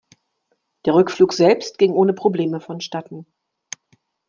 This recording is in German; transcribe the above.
Der Rückflug selbst ging ohne Probleme vonstatten.